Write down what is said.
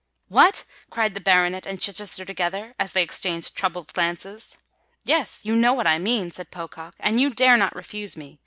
"What?" cried the baronet and Chichester together, as they exchanged troubled glances. "Yes—you know what I mean," said Pocock; "and you dare not refuse me.